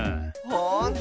ほんと？